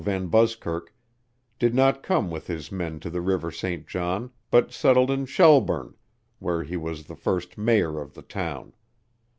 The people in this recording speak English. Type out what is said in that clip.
VanBuskirk, did not come with his men to the River St. John but settled in Shelburne, where he was the first mayor of the town.